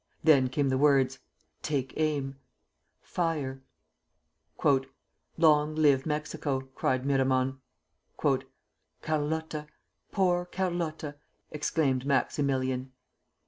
Then came the words: "Take aim! Fire!" "Long live Mexico!" cried Miramon. "Carlotta! Poor Carlotta!" exclaimed Maximilian.